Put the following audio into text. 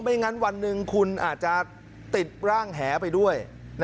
งั้นวันหนึ่งคุณอาจจะติดร่างแหไปด้วย